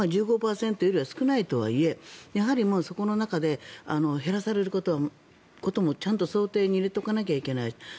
１５％よりは少ないとはいえやはり、そこの中で減らされることもちゃんと想定に入れておかなきゃいけない。